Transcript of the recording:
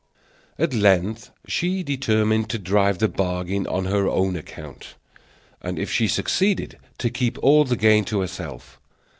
At length she determined to drive the bargain on her own account, and, if she succeeded, to keep all the gain to herself.